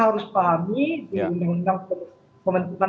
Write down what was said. ravakan dan ketakutan